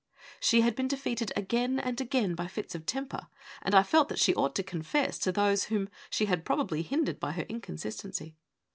She had been defeated again and again by fits of temper, and I felt that she ought to confess to those whom she had probably hindered by her inconsistency.